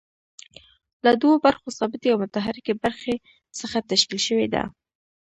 له دوو برخو ثابتې او متحرکې برخې څخه تشکیل شوې ده.